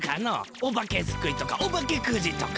おばけすくいとかおばけくじとか。